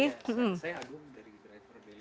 saya agung dari driver delivery